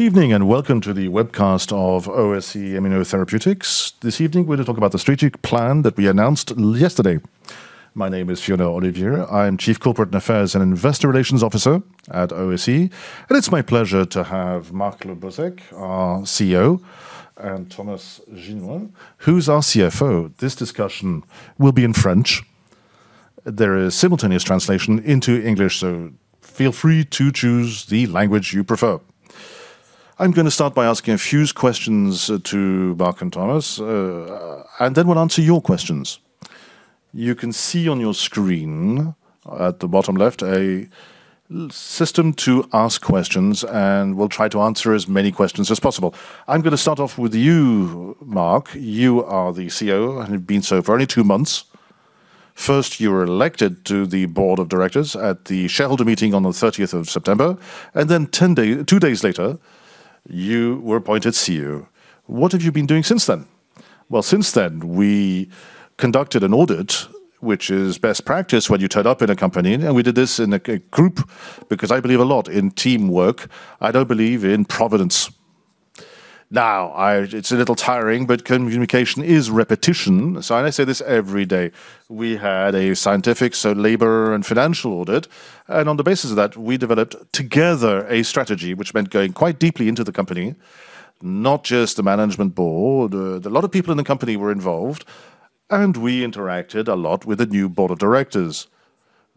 Evening and welcome to the webcast of OSE Immunotherapeutics. This evening we're going to talk about the strategic plan that we announced yesterday. My name is Fiona Olivier. I'm Chief Corporate Affairs and Investor Relations Officer at OSE, and it's my pleasure to have Marc Le Bozec, our CEO, and Thomas Ginon, who's our CFO. This discussion will be in French. There is simultaneous translation into English, so feel free to choose the language you prefer. I'm going to start by asking a few questions to Marc and Thomas, and then we'll answer your questions. You can see on your screen at the bottom left a system to ask questions, and we'll try to answer as many questions as possible. I'm going to start off with you, Marc. You are the CEO, and you've been so for only two months. First, you were elected to the board of directors at the shareholder meeting on the 30th of September, and then two days later you were appointed CEO. What have you been doing since then? Well, since then we conducted an audit, which is best practice when you turn up in a company, and we did this in a group because I believe a lot in teamwork. I don't believe in providence. Now, it's a little tiring, but communication is repetition, so I say this every day. We had a scientific, legal and financial audit, and on the basis of that we developed together a strategy, which meant going quite deeply into the company, not just the management board. A lot of people in the company were involved, and we interacted a lot with the new board of directors.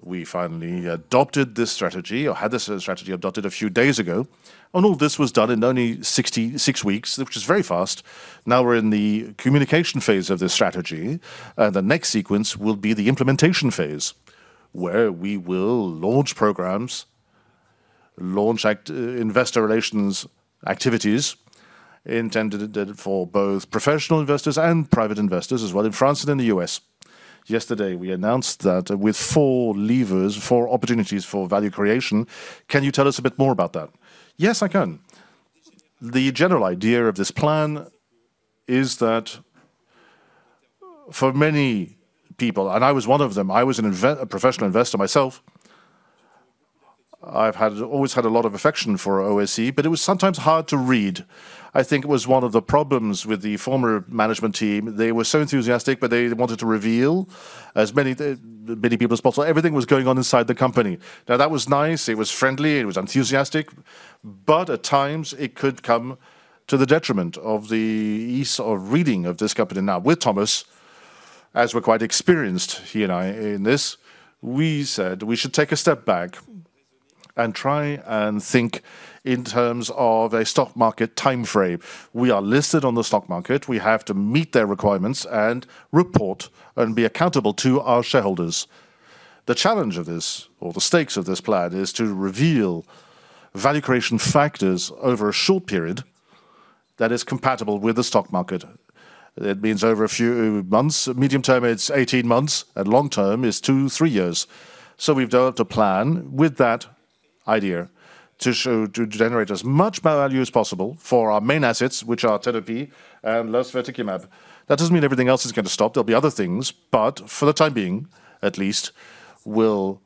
We finally adopted this strategy, or had this strategy adopted a few days ago, and all this was done in only six weeks, which is very fast. Now we're in the communication phase of this strategy, and the next sequence will be the implementation phase, where we will launch programs, launch investor relations activities intended for both professional investors and private investors as well in France and in the U.S. Yesterday we announced that with four levers, four opportunities for value creation. Can you tell us a bit more about that? Yes, I can. The general idea of this plan is that for many people, and I was one of them, I was a professional investor myself. I've always had a lot of affection for OSE, but it was sometimes hard to read. I think it was one of the problems with the former management team. They were so enthusiastic, but they wanted to reveal as many people as possible. Everything was going on inside the company. Now, that was nice, it was friendly, it was enthusiastic, but at times it could come to the detriment of the ease of reading of this company. Now, with Thomas, as we're quite experienced, he and I in this, we said we should take a step back and try and think in terms of a stock market time frame. We are listed on the stock market, we have to meet their requirements and report and be accountable to our shareholders. The challenge of this, or the stakes of this plan, is to reveal value creation factors over a short period that is compatible with the stock market. That means over a few months, medium term it's 18 months, and long term is two, three years. So we've developed a plan with that idea to generate as much value as possible for our main assets, which are Tedopi and Lusvertikimab. That doesn't mean everything else is going to stop, there'll be other things, but for the time being, at least, we'll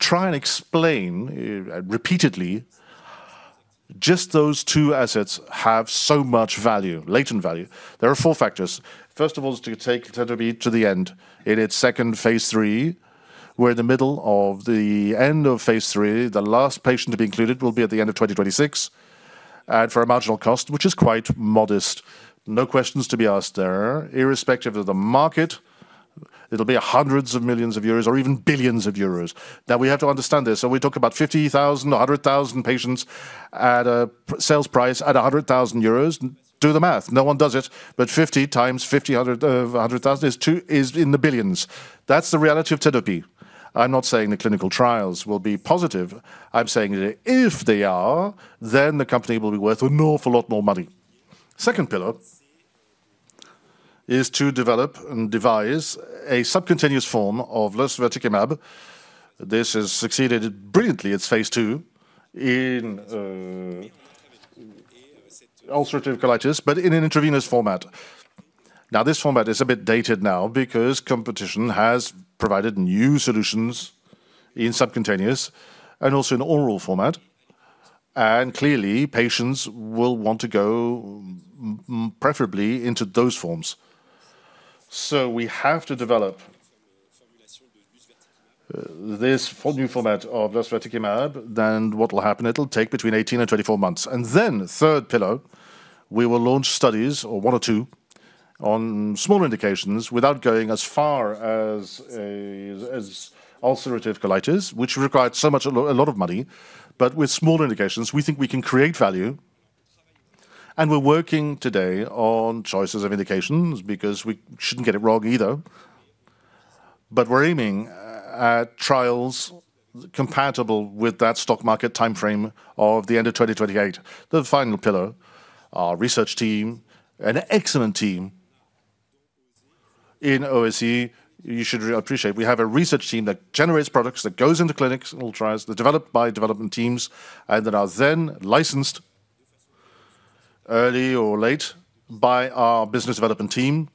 try and explain repeatedly just those two assets have so much value, latent value. There are four factors. First of all, to take Tedopi to the end in its second phase three, we're in the middle of the end of phase three. The last patient to be included will be at the end of 2026, and for a marginal cost, which is quite modest. No questions to be asked there, irrespective of the market, it'll be hundreds of millions of euros or even billions of euros. Now, we have to understand this, so we talk about 50,000, 100,000 patients at a sales price at 100,000 euros. Do the math, no one does it, but 50 times 50,000 is in the billions. That's the reality of Tedopi. I'm not saying the clinical trials will be positive, I'm saying that if they are, then the company will be worth an awful lot more money. Second pillar is to develop and devise a subcutaneous form of Lusvertikimab. This has succeeded brilliantly. It's phase 2 in ulcerative colitis, but in an intravenous format. Now, this format is a bit dated now because competition has provided new solutions in subcutaneous and also in oral format, and clearly patients will want to go preferably into those forms. So we have to develop this new format of Lusvertikimab, and what will happen, it'll take between 18 and 24 months. And then, third pillar, we will launch studies, or one or two, on small indications without going as far as ulcerative colitis, which required so much, a lot of money, but with small indications we think we can create value. And we're working today on choices of indications because we shouldn't get it wrong either, but we're aiming at trials compatible with that stock market time frame of the end of 2028. The final pillar, our research team, an excellent team in OSE, you should appreciate, we have a research team that generates products, that goes into clinics, and will try to develop by development teams, and that are then licensed early or late by our business development team.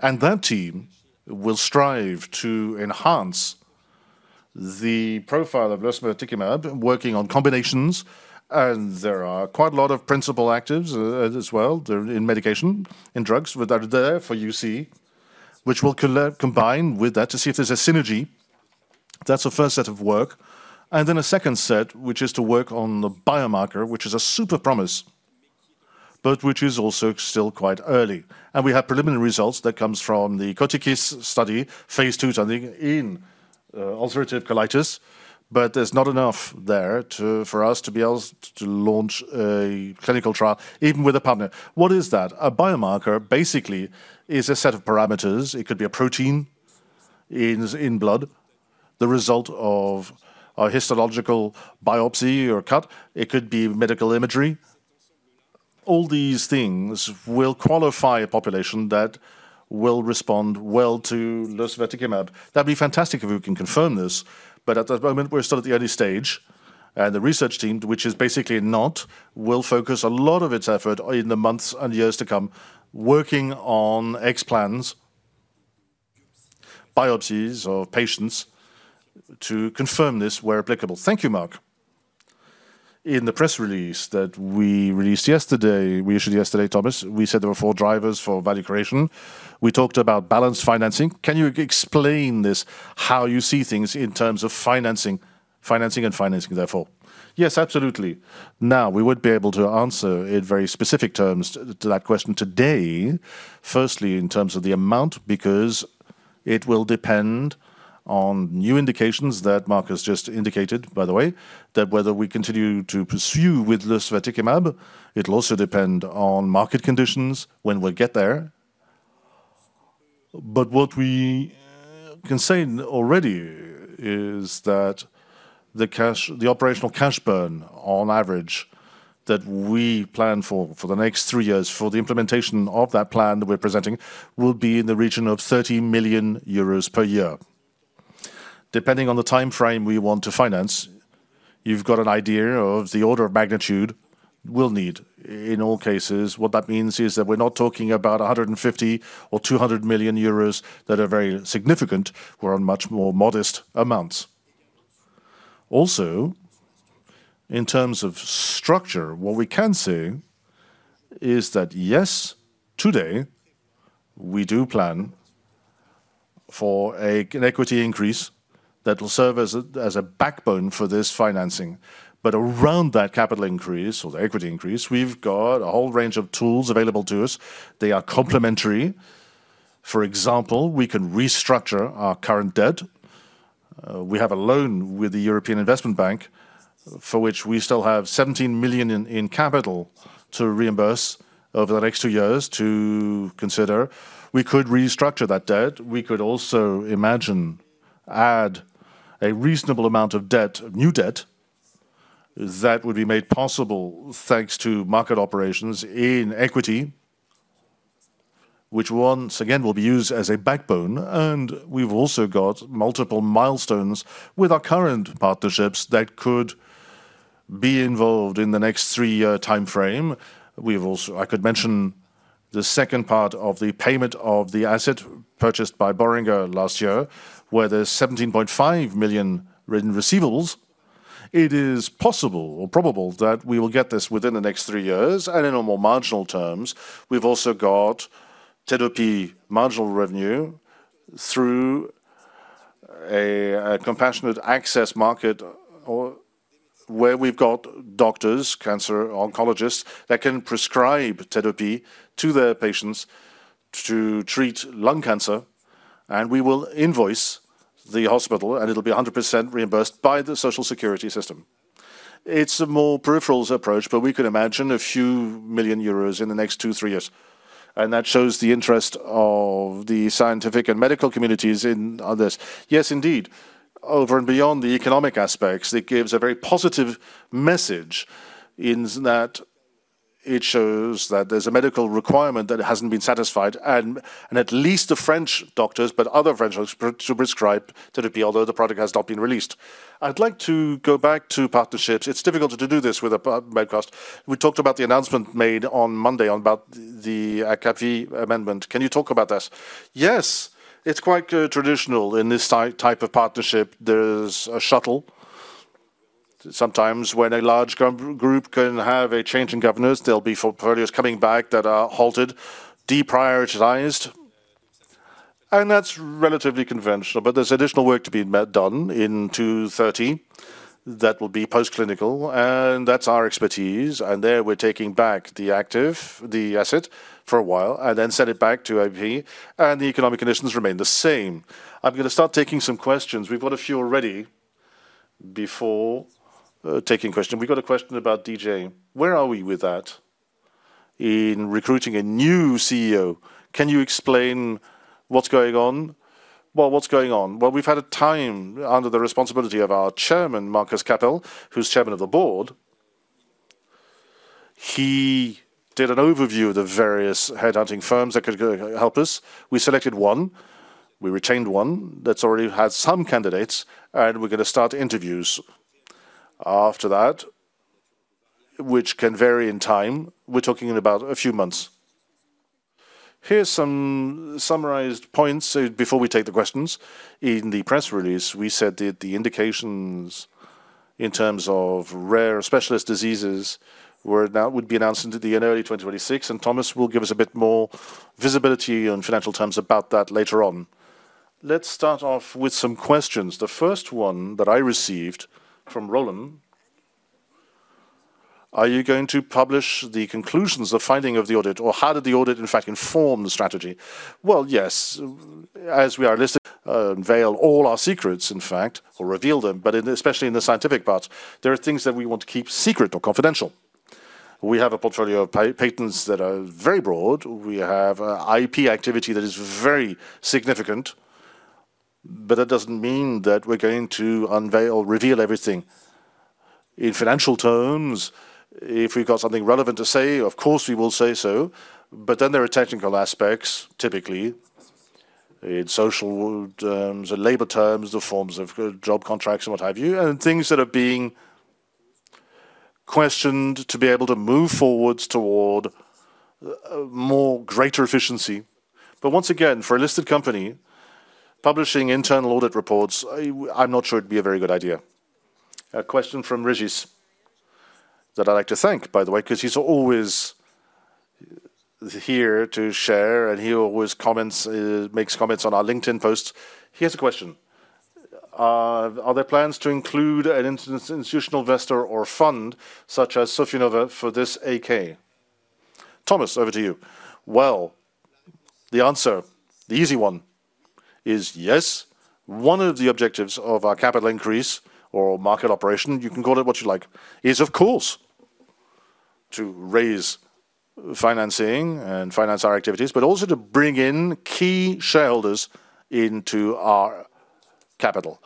And that team will strive to enhance the profile of Lusvertikimab, working on combinations, and there are quite a lot of principal actives as well in medication, in drugs that are there for UC, which we'll combine with that to see if there's a synergy. That's the first set of work, and then a second set, which is to work on the biomarker, which is a super promise, but which is also still quite early. And we have preliminary results that come from the CoTikiS study, phase two study in ulcerative colitis, but there's not enough there for us to be able to launch a clinical trial, even with a partner. What is that? A biomarker basically is a set of parameters. It could be a protein in blood, the result of a histological biopsy or cut. It could be medical imagery. All these things will qualify a population that will respond well to Lusvertikimab. That'd be fantastic if we can confirm this, but at the moment we're still at the early stage, and the research team will focus a lot of its effort in the months and years to come, working on explants, biopsies of patients to confirm this where applicable. Thank you, Marc. In the press release that we released yesterday, Thomas, we said there were four drivers for value creation. We talked about balanced financing. Can you explain this, how you see things in terms of financing therefore? Yes, absolutely. Now, we would be able to answer in very specific terms to that question today, firstly in terms of the amount, because it will depend on new indications that Marc has just indicated, by the way, that whether we continue to pursue with Lusvertikimab, it'll also depend on market conditions when we get there. But what we can say already is that the operational cash burn on average that we plan for the next three years for the implementation of that plan that we're presenting will be in the region of 30 million euros per year. Depending on the time frame we want to finance, you've got an idea of the order of magnitude we'll need. In all cases, what that means is that we're not talking about 150 million or 200 million euros that are very significant, we're on much more modest amounts. Also, in terms of structure, what we can say is that yes, today we do plan for an equity increase that will serve as a backbone for this financing, but around that capital increase or the equity increase, we've got a whole range of tools available to us. They are complementary. For example, we can restructure our current debt. We have a loan with the European Investment Bank for which we still have 17 million in capital to reimburse over the next two years to consider. We could restructure that debt. We could also imagine adding a reasonable amount of new debt that would be made possible thanks to market operations in equity, which once again will be used as a backbone, and we've also got multiple milestones with our current partnerships that could be involved in the next three-year time frame. I could mention the second part of the payment of the asset purchased by Boehringer last year, where there's 17.5 million written receivables. It is possible or probable that we will get this within the next three years, and in more marginal terms, we've also got Tedopi marginal revenue through a compassionate access market where we've got doctors, cancer oncologists that can prescribe Tedopi to their patients to treat lung cancer, and we will invoice the hospital, and it'll be 100% reimbursed by the social security system. It's a more peripheral approach, but we could imagine a few million EUR in the next two, three years, and that shows the interest of the scientific and medical communities in this. Yes, indeed, over and beyond the economic aspects, it gives a very positive message in that it shows that there's a medical requirement that hasn't been satisfied, and at least the French doctors, but other French doctors to prescribe Tedopi, although the product has not been released. I'd like to go back to partnerships. It's difficult to do this with a broadcast. We talked about the announcement made on Monday about the AbbVie amendment. Can you talk about this? Yes, it's quite traditional in this type of partnership. There's a shuttle sometimes when a large group can have a change in governance. There'll be portfolios coming back that are halted, deprioritized, and that's relatively conventional, but there's additional work to be done in 230 that will be post-clinical, and that's our expertise. And there, we're taking back the asset for a while, and then send it back to AbbVie, and the economic conditions remain the same. I'm going to start taking some questions. We've got a few already before taking questions. We've got a question about DG. Where are we with that in recruiting a new CEO? Can you explain what's going on? Well, what's going on? Well, we've had a time under the responsibility of our Chairman, Markus Enzelberger, who's Chairman of the Board. He did an overview of the various headhunting firms that could help us. We selected one, we retained one that's already had some candidates, and we're going to start interviews after that, which can vary in time. We're talking about a few months. Here's some summarized points before we take the questions. In the press release, we said that the indications in terms of rare specialist diseases would be announced in the early 2026, and Thomas will give us a bit more visibility on financial terms about that later on. Let's start off with some questions. The first one that I received from Roland: Are you going to publish the conclusions, the finding of the audit, or how did the audit in fact inform the strategy? Well, yes, as we are listed, unveil all our secrets in fact, or reveal them, but especially in the scientific part, there are things that we want to keep secret or confidential. We have a portfolio of patents that are very broad. We have IP activity that is very significant, but that doesn't mean that we're going to unveil, reveal everything. In financial terms, if we've got something relevant to say, of course we will say so, but then there are technical aspects, typically in social terms and labor terms, the forms of job contracts and what have you, and things that are being questioned to be able to move forward toward greater efficiency. But once again, for a listed company, publishing internal audit reports, I'm not sure it'd be a very good idea. A question from Rigis that I'd like to thank, by the way, because he's always here to share, and he always comments, makes comments on our LinkedIn posts. He has a question. Are there plans to include an institutional investor or fund such as Sofinnova for this AK? Thomas, over to you. Well, the answer, the easy one is yes. One of the objectives of our capital increase or market operation, you can call it what you like, is of course to raise financing and finance our activities, but also to bring in key shareholders into our capital.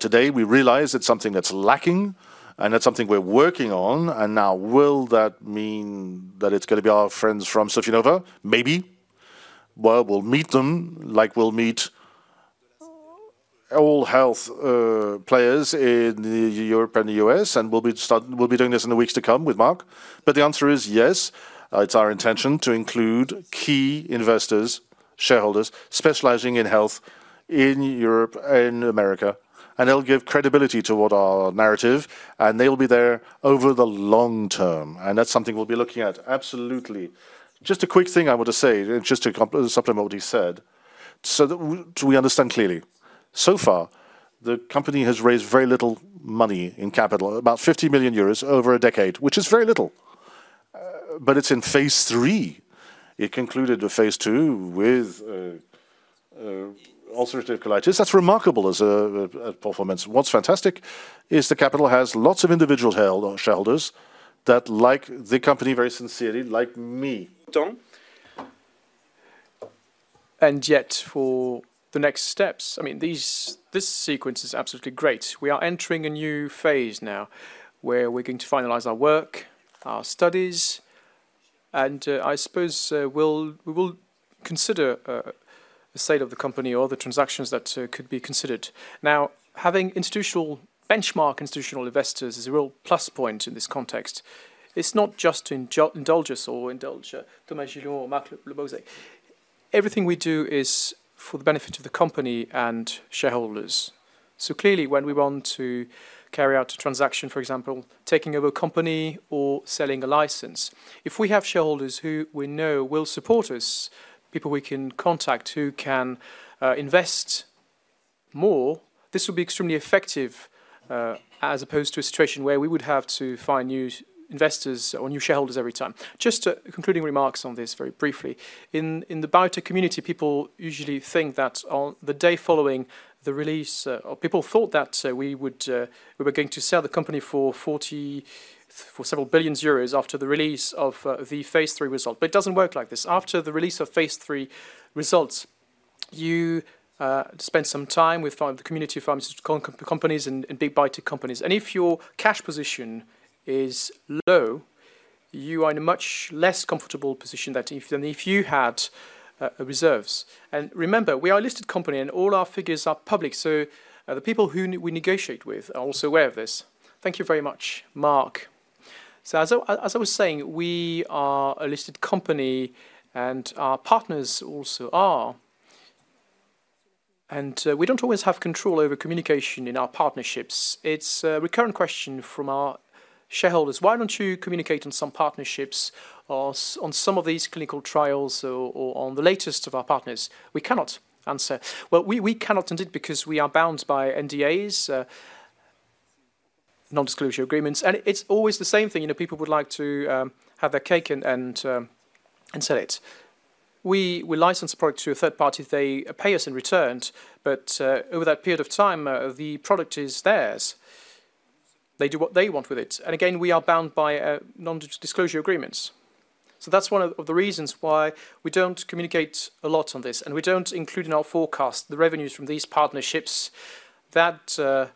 Today we realize it's something that's lacking, and that's something we're working on, and now will that mean that it's going to be our friends from Sofinnova? Maybe. Well, we'll meet them like we'll meet all health players in Europe and the U.S., and we'll be doing this in the weeks to come with Marc. But the answer is yes. It's our intention to include key investors, shareholders specializing in health in Europe and America, and they'll give credibility to our narrative, and they'll be there over the long term, and that's something we'll be looking at. Absolutely. Just a quick thing I want to say, just to supplement what he said, so that we understand clearly. So far, the company has raised very little money in capital, about 50 million euros over a decade, which is very little, but it's in phase three. It concluded the phase two with ulcerative colitis. That's remarkable as a performance. What's fantastic is the capital has lots of individual shareholders that like the company very sincerely, like me. Tom. And yet for the next steps, I mean, this sequence is absolutely great. We are entering a new phase now where we're going to finalize our work, our studies, and I suppose we will consider the state of the company or the transactions that could be considered. Now, having institutional benchmark institutional investors is a real plus point in this context. It's not just indulge us or indulge Thomas Ginon or Marc Le Bozec. Everything we do is for the benefit of the company and shareholders, so clearly, when we want to carry out a transaction, for example, taking over a company or selling a license, if we have shareholders who we know will support us, people we can contact who can invest more, this would be extremely effective as opposed to a situation where we would have to find new investors or new shareholders every time. Just concluding remarks on this very briefly. In the biotech community, people usually think that on the day following the release, people thought that we were going to sell the company for several billion EUR after the release of the phase 3 result, but it doesn't work like this. After the release of phase three results, you spend some time with the community of pharmaceutical companies and big biotech companies, and if your cash position is low, you are in a much less comfortable position than if you had reserves. And remember, we are a listed company, and all our figures are public, so the people who we negotiate with are also aware of this. Thank you very much, Marc. So as I was saying, we are a listed company, and our partners also are, and we don't always have control over communication in our partnerships. It's a recurrent question from our shareholders. Why don't you communicate on some partnerships or on some of these clinical trials or on the latest of our partners? We cannot answer. Well, we cannot indeed because we are bound by NDAs, non-disclosure agreements, and it's always the same thing. People would like to have their cake and sell it. We license a product to a third party. They pay us in return, but over that period of time, the product is theirs. They do what they want with it, and again, we are bound by non-disclosure agreements. So that's one of the reasons why we don't communicate a lot on this, and we don't include in our forecast the revenues from these partnerships that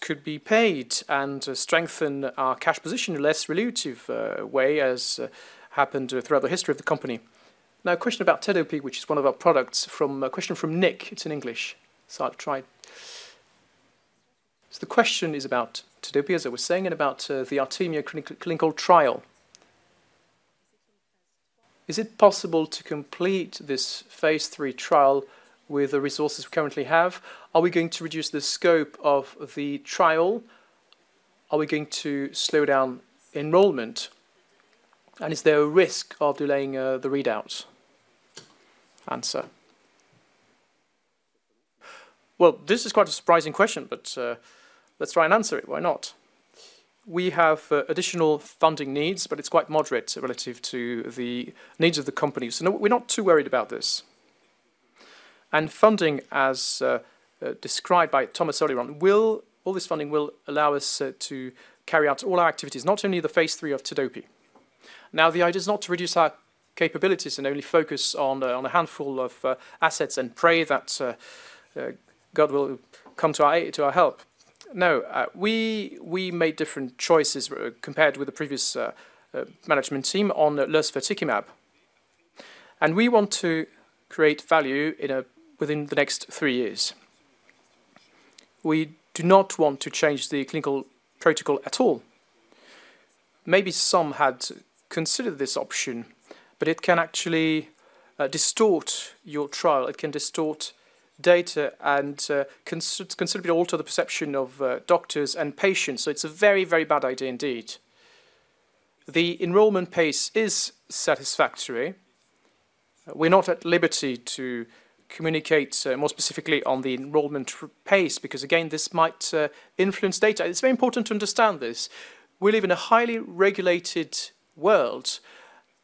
could be paid and strengthen our cash position in a less relative way as happened throughout the history of the company. Now, a question about Tedopi, which is one of our products from a question from Nick. It's in English, so I'll try. So the question is about Tedopi, as I was saying, and about the Artemia clinical trial. Is it possible to complete this phase three trial with the resources we currently have? Are we going to reduce the scope of the trial? Are we going to slow down enrollment? And is there a risk of delaying the readout? Answer: Well, this is quite a surprising question, but let's try and answer it. Why not? We have additional funding needs, but it's quite moderate relative to the needs of the company, so we're not too worried about this. And funding, as described by Thomas earlier on, all this funding will allow us to carry out all our activities, not only the phase three of Tedopi. Now, the idea is not to reduce our capabilities and only focus on a handful of assets and pray that God will come to our help. No, we made different choices compared with the previous management team on Lusvertikimab, and we want to create value within the next three years. We do not want to change the clinical protocol at all. Maybe some had considered this option, but it can actually distort your trial. It can distort data and considerably alter the perception of doctors and patients. So it's a very, very bad idea indeed. The enrollment pace is satisfactory. We're not at liberty to communicate more specifically on the enrollment pace because, again, this might influence data. It's very important to understand this. We live in a highly regulated world,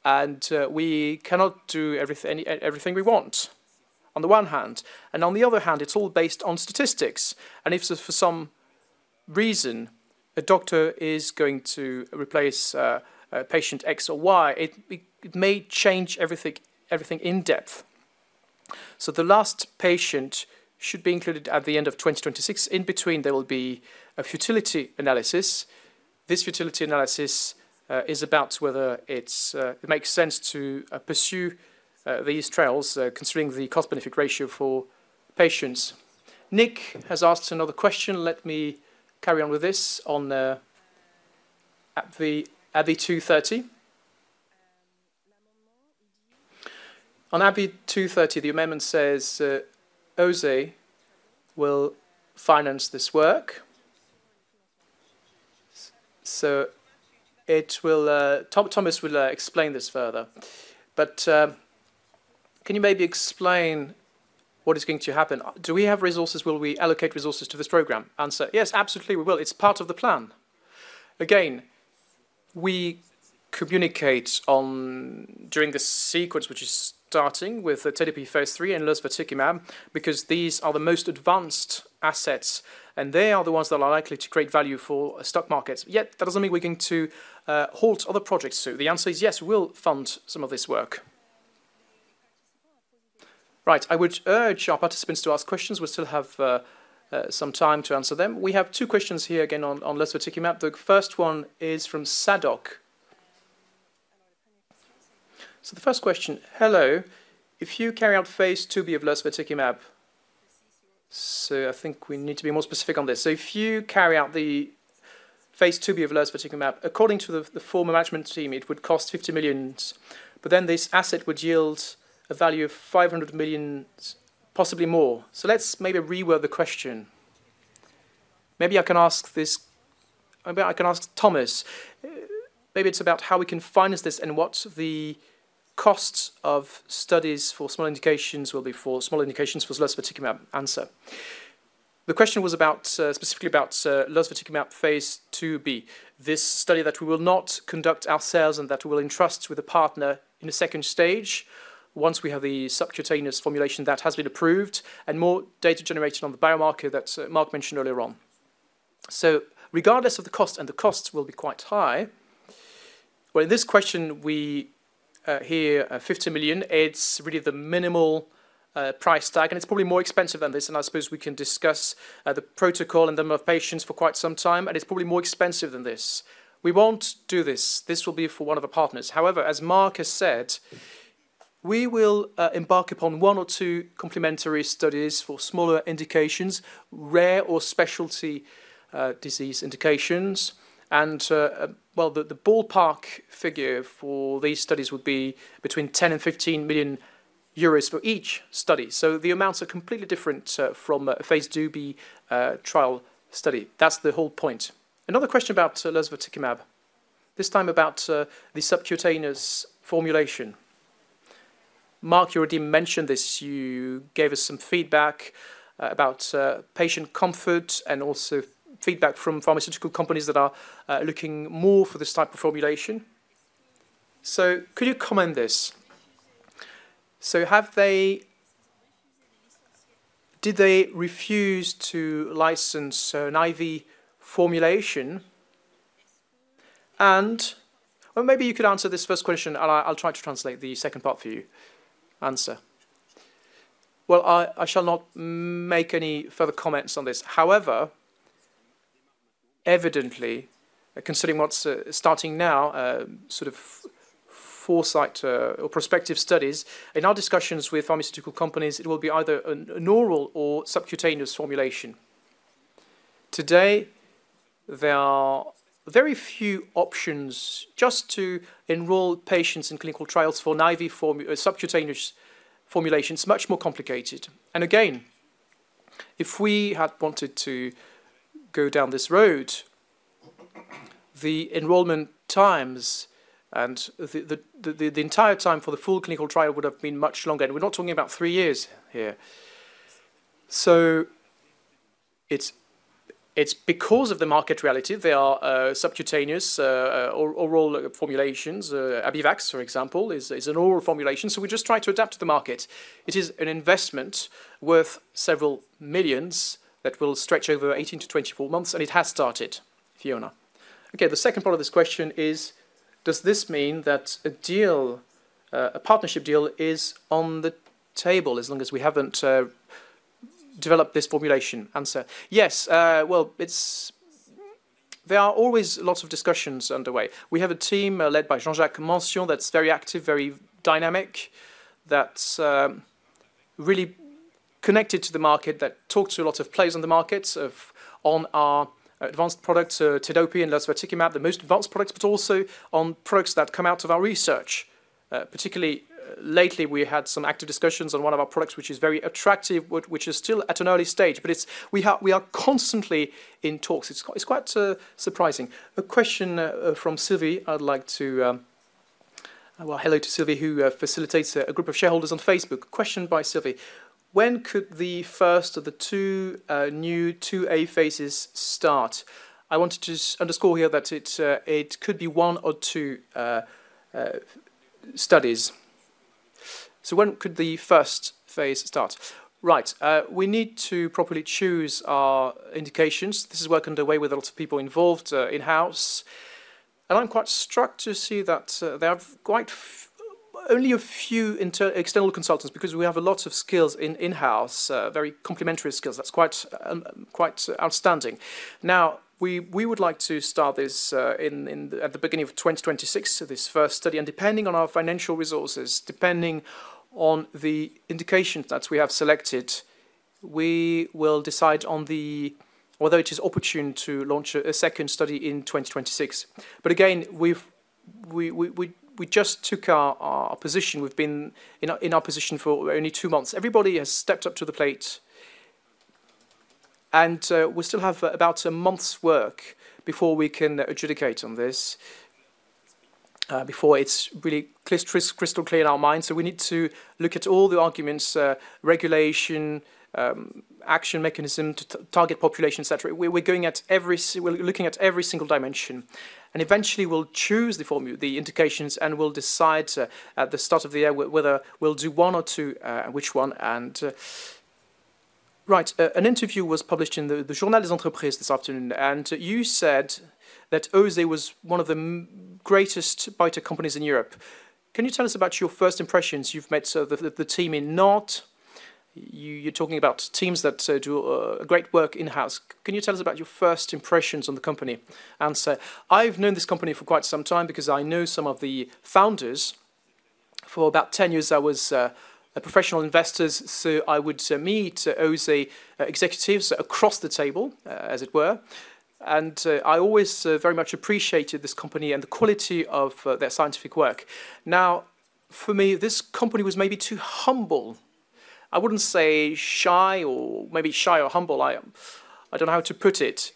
and we cannot do everything we want on the one hand, and on the other hand, it's all based on statistics, and if for some reason a doctor is going to replace patient X or Y, it may change everything in depth, so the last patient should be included at the end of 2026. In between, there will be a futility analysis. This futility analysis is about whether it makes sense to pursue these trials considering the cost-benefit ratio for patients. Nick has asked another question. Let me carry on with this on AbbVie 230. On AbbVie 230, the amendment says OSE will finance this work. So Thomas will explain this further. But can you maybe explain what is going to happen? Do we have resources? Will we allocate resources to this program? Answer. Yes, absolutely, we will. It's part of the plan. Again, we communicate during the sequence, which is starting with Tedopi phase three and Lusvertikimab, because these are the most advanced assets, and they are the ones that are likely to create value for stock markets. Yet, that doesn't mean we're going to halt other projects. So the answer is yes, we'll fund some of this work. Right. I would urge our participants to ask questions. We'll still have some time to answer them. We have two questions here again on Lusvertikimab. The first one is from Sadok. So the first question, hello, if you carry out phase two B of Lusvertikimab, so I think we need to be more specific on this. So if you carry out the phase two B of Lusvertikimab, according to the former management team, it would cost 50 million, but then this asset would yield a value of 500 million, possibly more. So let's maybe reword the question. Maybe I can ask this. I can ask Thomas. Maybe it's about how we can finance this and what the costs of studies for small indications will be for Lusvertikimab. Answer. The question was specifically about Lusvertikimab phase 2b, this study that we will not conduct ourselves and that we will entrust with a partner in a second stage once we have the subcutaneous formulation that has been approved and more data generated on the biomarker that Marc mentioned earlier on, so regardless of the cost, and the costs will be quite high, well, in this question, we hear 50 million. It's really the minimal price tag, and it's probably more expensive than this, and I suppose we can discuss the protocol and the number of patients for quite some time, and it's probably more expensive than this. We won't do this. This will be for one of our partners. However, as Marc has said, we will embark upon one or two complementary studies for smaller indications, rare or specialty disease indications. The ballpark figure for these studies would be between 10 million and 15 million euros for each study. The amounts are completely different from a phase 2B trial study. That's the whole point. Another question about Lusvertikimab, this time about the subcutaneous formulation. Marc, you already mentioned this. You gave us some feedback about patient comfort and also feedback from pharmaceutical companies that are looking more for this type of formulation. Could you comment on this? Did they refuse to license an IV formulation? Maybe you could answer this first question, and I'll try to translate the second part for you. Answer. I shall not make any further comments on this. However, evidently, considering what's starting now, sort of foresight or prospective studies, in our discussions with pharmaceutical companies, it will be either an oral or subcutaneous formulation. Today, there are very few options just to enroll patients in clinical trials for an IV subcutaneous formulation. It's much more complicated, and again, if we had wanted to go down this road, the enrollment times and the entire time for the full clinical trial would have been much longer, and we're not talking about three years here, so it's because of the market reality. They are subcutaneous oral formulations. Abivax, for example, is an oral formulation, so we're just trying to adapt to the market. It is an investment worth several millions that will stretch over 18-24 months, and it has started, Fiona. Okay, the second part of this question is, does this mean that a partnership deal is on the table as long as we haven't developed this formulation? Answer: Yes, well, there are always lots of discussions underway. We have a team led by Jean-Jacques Mention that's very active, very dynamic, that's really connected to the market, that talks to a lot of players on the market on our advanced product, Tedopi and Lusvertikimab, the most advanced products, but also on products that come out of our research. Particularly lately, we had some active discussions on one of our products, which is very attractive, which is still at an early stage, but we are constantly in talks. It's quite surprising. A question from Sylvie. I'd like to, well, hello to Sylvie, who facilitates a group of shareholders on Facebook. Question by Sylvie. When could the first of the two new 2A phases start? I wanted to underscore here that it could be one or two studies. So when could the first phase start? Right. We need to properly choose our indications. This is working away with a lot of people involved in-house. And I'm quite struck to see that they have quite only a few external consultants because we have a lot of skills in-house, very complementary skills. That's quite outstanding. Now, we would like to start this at the beginning of 2026, this first study. And depending on our financial resources, depending on the indications that we have selected, we will decide on whether it is opportune to launch a second study in 2026. But again, we just took our position. We've been in our position for only two months. Everybody has stepped up to the plate, and we still have about a month's work before we can adjudicate on this, before it's really crystal clear in our minds. So we need to look at all the arguments, regulation, action mechanism to target population, etc. We're looking at every single dimension. And eventually, we'll choose the indications, and we'll decide at the start of the year whether we'll do one or two, which one. And right, an interview was published in Le Journal des Entreprises this afternoon, and you said that OSE was one of the greatest biotech companies in Europe. Can you tell us about your first impressions? You've met the team in Nantes. You're talking about teams that do great work in-house. Can you tell us about your first impressions on the company? Answer. I've known this company for quite some time because I know some of the founders. For about 10 years, I was a professional investor, so I would meet OSE executives across the table, as it were. And I always very much appreciated this company and the quality of their scientific work. Now, for me, this company was maybe too humble. I wouldn't say shy or maybe shy or humble. I don't know how to put it.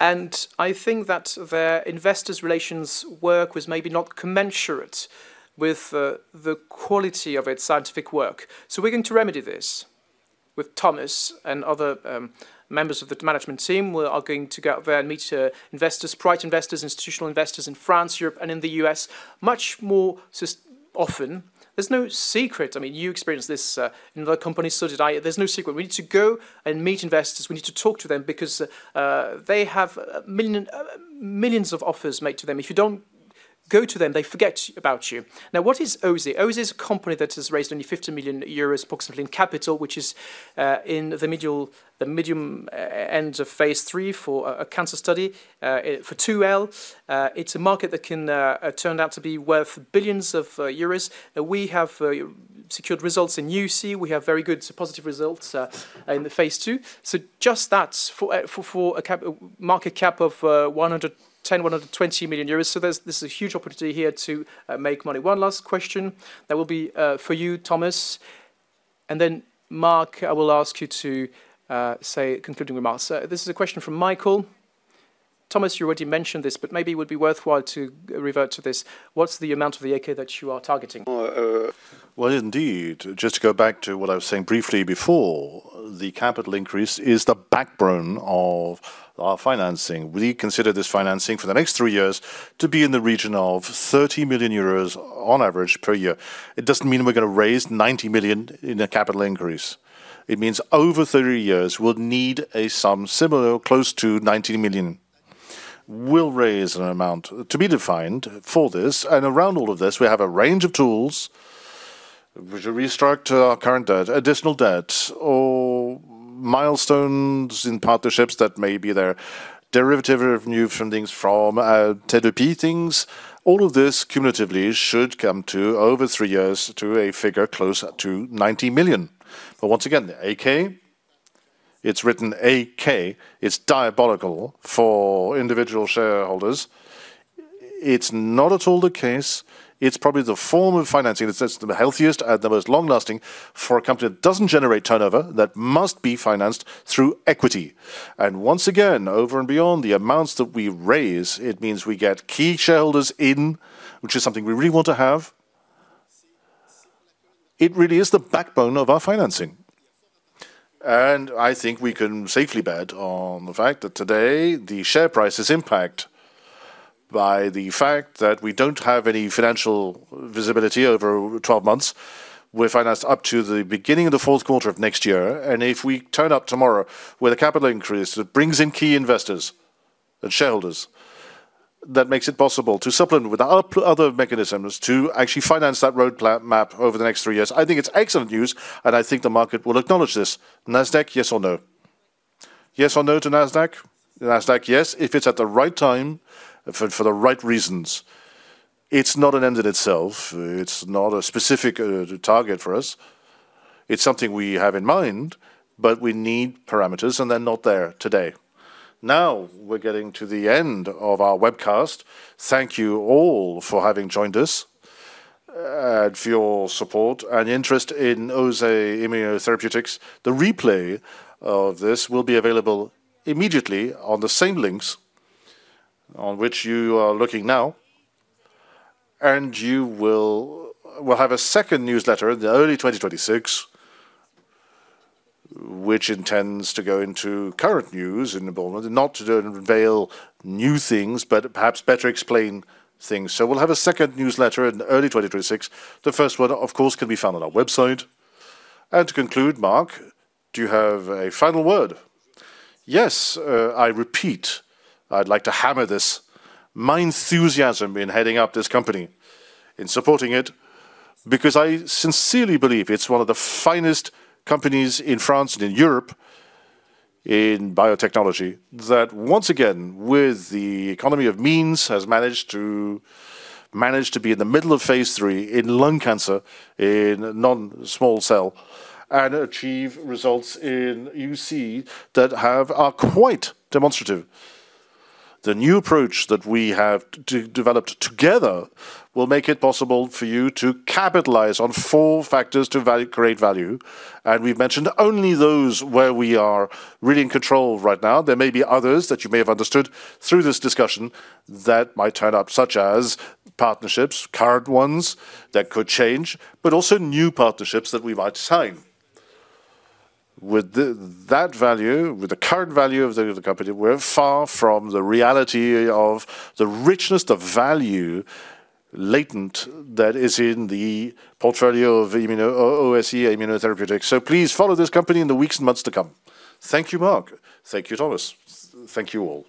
And I think that their investor relations work was maybe not commensurate with the quality of its scientific work. So we're going to remedy this with Thomas and other members of the management team. We are going to go out there and meet investors, private investors, institutional investors in France, Europe, and in the U.S. much more often. There's no secret. I mean, you experienced this in other companies too. There's no secret. We need to go and meet investors. We need to talk to them because they have millions of offers made to them. If you don't go to them, they forget about you. Now, what is OSE? OSE is a company that has raised only approximately 50 million euros in capital, which is in the medium end of phase 3 for a cancer study for NSCLC. It's a market that can turn out to be worth billions of EUR. We have secured results in UC. We have very good positive results in the phase 2, so just that for a market cap of 110-120 million euros, so this is a huge opportunity here to make money. One last question that will be for you, Thomas, and then, Marc, I will ask you to say concluding remarks. This is a question from Michael. Thomas, you already mentioned this, but maybe it would be worthwhile to revert to this. What's the amount of the AK that you are targeting? Well, indeed, just to go back to what I was saying briefly before, the capital increase is the backbone of our financing. We consider this financing for the next three years to be in the region of 30 million euros on average per year. It doesn't mean we're going to raise 90 million in a capital increase. It means over 30 years, we'll need a sum similar close to 90 million. We'll raise an amount to be defined for this, and around all of this, we have a range of tools, which are restructured, additional debt, or milestones in partnerships that may be their derivative revenue from things from Tedopi things. All of this cumulatively should come to over three years to a figure close to 90 million, but once again, AK, it's written AK. It's diabolical for individual shareholders. It's not at all the case. It's probably the form of financing that's the healthiest and the most long-lasting for a company that doesn't generate turnover that must be financed through equity and once again, over and beyond the amounts that we raise, it means we get key shareholders in, which is something we really want to have. It really is the backbone of our financing, and I think we can safely bet on the fact that today, the share price is impacted by the fact that we don't have any financial visibility over 12 months. We're financed up to the beginning of the fourth quarter of next year, and if we turn up tomorrow with a capital increase that brings in key investors and shareholders, that makes it possible to supplement with other mechanisms to actually finance that roadmap over the next three years. I think it's excellent news, and I think the market will acknowledge this. Nasdaq, yes or no? Yes or no to Nasdaq? Nasdaq, yes, if it's at the right time for the right reasons. It's not an end in itself. It's not a specific target for us. It's something we have in mind, but we need parameters, and they're not there today. Now, we're getting to the end of our webcast. Thank you all for having joined us and for your support and interest in OSE Immunotherapeutics. The replay of this will be available immediately on the same links on which you are looking now, and you will have a second newsletter in the early 2026, which intends to go into current news in the bold, not to unveil new things, but perhaps better explain things, so we'll have a second newsletter in early 2026. The first one, of course, can be found on our website. And to conclude, Marc, do you have a final word? Yes, I repeat. I'd like to hammer home my enthusiasm in heading up this company, in supporting it, because I sincerely believe it's one of the finest companies in France and in Europe in biotechnology that, once again, with the economy of means, has managed to be in the middle of phase 3 in non-small cell lung cancer and achieve results in UC that are quite demonstrative. The new approach that we have developed together will make it possible for you to capitalize on four factors to create value. And we've mentioned only those where we are really in control right now. There may be others that you may have understood through this discussion that might turn up, such as partnerships, current ones that could change, but also new partnerships that we might sign. With that value, with the current value of the company, we're far from the reality of the richness, the value latent that is in the portfolio of OSE Immunotherapeutics, so please follow this company in the weeks and months to come. Thank you, Marc. Thank you, Thomas. Thank you all.